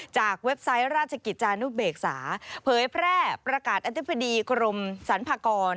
เว็บไซต์ราชกิจจานุเบกษาเผยแพร่ประกาศอธิบดีกรมสรรพากร